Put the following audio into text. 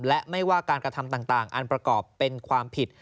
และไม่ว่าการกระทำต่างอันประกอบเป็นความผิด